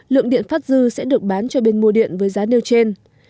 lượng điện phát dư sẽ được bán cho bên mua điện với giá nêu trên